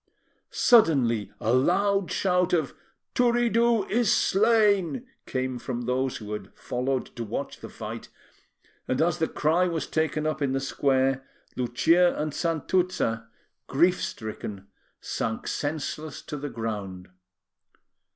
Suddenly, a loud shout of "Turiddu is slain!" came from those who had followed to watch the fight, and as the cry was taken up in the square, Lucia and Santuzza, grief stricken, sank senseless to the ground.